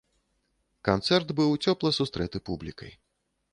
Канцэрт быў цёпла сустрэты публікай.